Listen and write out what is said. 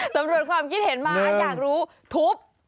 สำรวจความคิดเห็นมาอยากรู้ทุบ